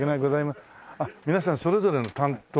皆さんそれぞれの担当が。